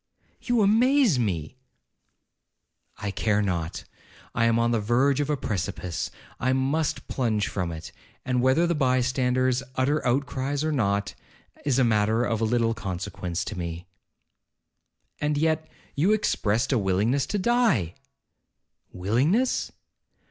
'You amaze me!' 'I care not—I am on the verge of a precipice—I must plunge from it—and whether the by standers utter outcries or not, is a matter of little consequence to me.' 'And yet, you expressed a willingness to die?' 'Willingness!